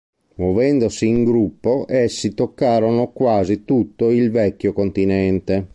Muovendosi in gruppo, essi toccarono quasi tutto il "vecchio continente".